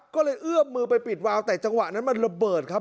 ก็เลยเอื้อมมือไปปิดวาวแต่จังหวะนั้นมันระเบิดครับ